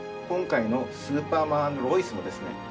今回の「スーパーマン＆ロイス」もですね